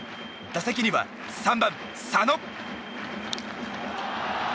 打席には３番、佐野。